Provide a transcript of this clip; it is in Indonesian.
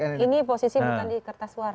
ini posisi bukan di kertas suara